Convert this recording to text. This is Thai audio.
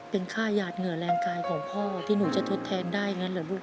เป็นค่าหยาดเหงื่อแรงกายของพ่อที่หนูจะทดแทนได้อย่างนั้นเหรอลูก